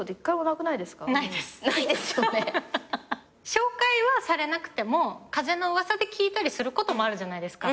紹介はされなくても風の噂で聞いたりすることもあるじゃないですか。